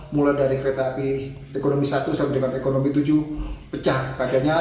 mulai dari kereta api ekonomi satu sampai dengan ekonomi tujuh pecah kacanya